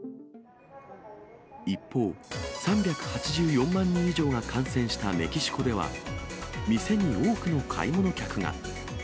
一方、３８４万人以上が感染したメキシコでは、店に多くの買い物客が。